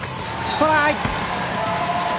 トライ！